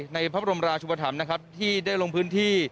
ในพระบรมราชุปธรรมนะครับที่ได้ลงพื้นที่